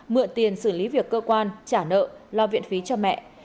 mượn tiền xử lý việc cơ quan trả nợ lo viện phí cho mẹ